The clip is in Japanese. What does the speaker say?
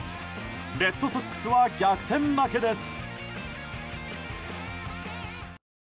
レッドソックスは逆転負けです。